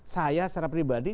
saya secara pribadi